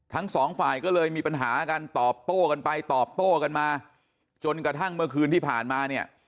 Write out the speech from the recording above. ทั้งสองฝ่ายก็เลยมีปัญหากันตอบโต้กันไปตอบโต้กันมาจนกระทั่งเมื่อคืนที่ผ่านมาเนี่ย